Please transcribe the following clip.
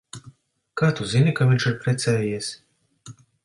Kā tu zini, ka viņš ir precējies?